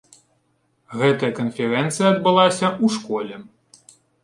Гэта канферэнцыя адбылася ў школе.